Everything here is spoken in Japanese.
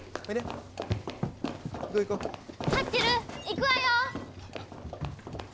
行くわよ！